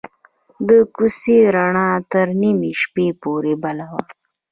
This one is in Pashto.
د کوڅې رڼا تر نیمې شپې پورې بل وه.